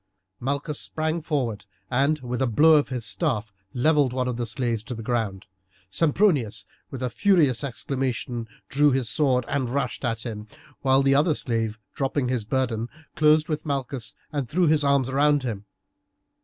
Malchus sprang forward and with a blow of his staff levelled one of the slaves to the ground; Sempronius with a furious exclamation drew his sword and rushed at him, while the other slave, dropping his burden, closed with Malchus and threw his arms around him.